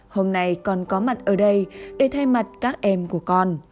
hôm nay con có mặt ở đây để thay mặt các em của con